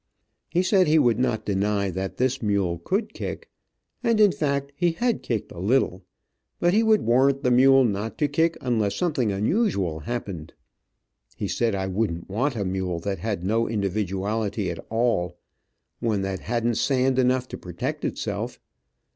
He said he would not deny that this mule could kick, and in fact he had kicked a little, but he would warrant the mule not to kick unless something unusual happened. He said I wouldn't want a mule that had no individuality at all, one that hadn't sand enough to protect itself.